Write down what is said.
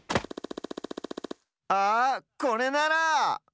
あこれなら！